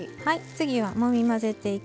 はい。